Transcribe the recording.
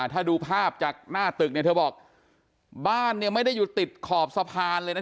ถ้าดูภาพจากหน้าตึกเนี่ยเธอบอกบ้านเนี่ยไม่ได้อยู่ติดขอบสะพานเลยนะ